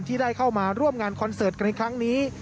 ที่ได้เข้ามาร่วมงานคอนเสิร์ตในครั้งนี้